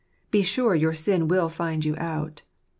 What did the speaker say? " Be sure your sin will find you out."